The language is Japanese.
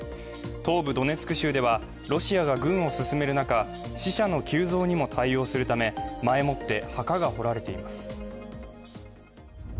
東部ドネツク州ではロシアが軍を進める中、死者の急増にも対応するため前もって墓が掘られています。